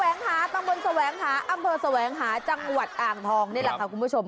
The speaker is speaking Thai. วัดแสวงหาต่างบนแสวงหาอำเภาแสวงหาจังหวัดอ่างทองเนี่ยค่ะคุณผู้ชม